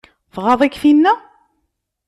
Tɣaḍ-ik tinna?